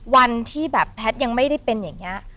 วันที่แบบแพทย์ยังไม่ได้เป็นอย่างนี้